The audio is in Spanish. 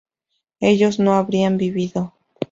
ellos no habrían vivido